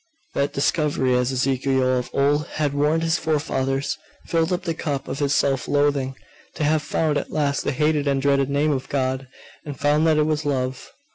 That discovery, as Ezekiel of old had warned his forefathers, filled up the cup of his self loathing.... To have found at last the hated and dreaded name of God: and found that it was Love!....